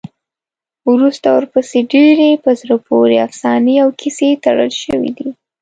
وروسته ورپسې ډېرې په زړه پورې افسانې او کیسې تړل شوي دي.